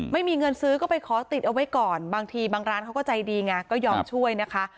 ไม่มีเงินซื้อก็ไปขอติดเอาไว้ก่อนบางทีบางร้านเขาก็ใจดีไงก็ยอมช่วยนะคะ